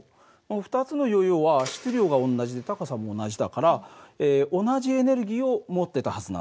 ２つのヨーヨーは質量が同じで高さも同じだから同じエネルギーを持ってたはずなんだよね。